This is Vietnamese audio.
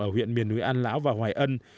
ở huyện miền núi an lão và hoài ân